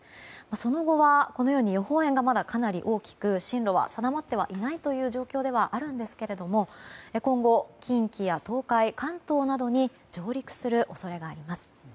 その後は、このように予報円がまだかなり大きく進路は定まってはいないという状況ではあるんですけれども今後、近畿や東海、関東などに上陸する恐れがあります。